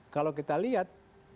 kalau kita lihat